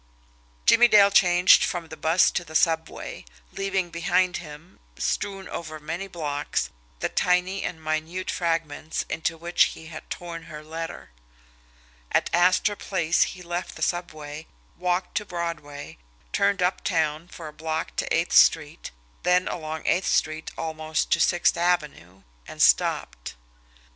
Jimmie Dale changed from the bus to the subway, leaving behind him, strewn over many blocks, the tiny and minute fragments into which he had torn her letter; at Astor Place he left the subway, walked to Broadway, turned uptown for a block to Eighth Street, then along Eighth Street almost to Sixth Avenue and stopped.